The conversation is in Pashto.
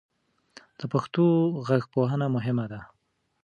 د پښتو غږپوهنه مهمه ده.